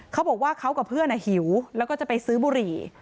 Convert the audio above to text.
เขาบอกว่าเขากับเพื่อนหิวแล้วก็จะไปซื้อบุหรี่